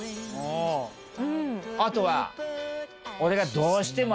あとは。